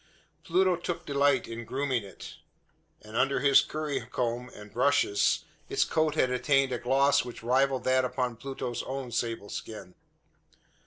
Pluto took delight in grooming it; and, under his currycomb and brushes, its coat had attained a gloss which rivalled that upon Pluto's own sable skin.